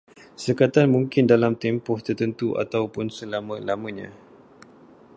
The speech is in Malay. Sekatan mungkin dalam tempoh tertentu ataupun selama-lamanya